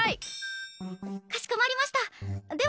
かしこまりました。